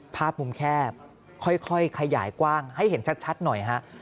ภาพมุมแคบค่อยขยายกว้างให้เห็นชัดหน่อยฮะ